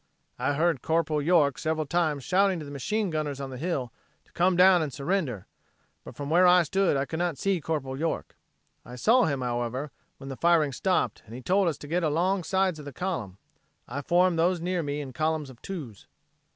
I heard Corp. York several times shouting to the machine gunners on the hill to come down and surrender, but from where I stood I could not see Corp. York. I saw him, however, when the firing stopped and he told us to get along sides of the column. I formed those near me in columns of two's."